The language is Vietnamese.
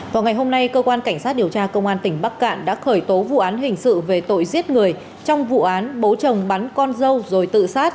vào ngày hôm nay cơ quan cảnh sát điều tra công an tỉnh bắc cạn đã khởi tố vụ án hình sự về tội giết người trong vụ án bố chồng bắn con dâu rồi tự sát